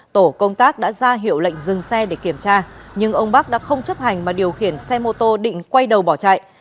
tổ công tác đã ra hiệu lệnh dừng xe để kiểm tra nhưng ông bắc đã không chấp hành mà điều khiển xe mô tô định quay đầu bỏ chạy